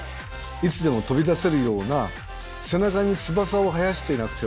いつでも飛び出せるような背中に翼を生やしてなくてはいけない。